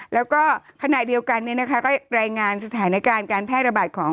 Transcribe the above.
แล้วก็ขณะเดียวกันก็รายงานสถานการณ์การแพร่ระบาดของ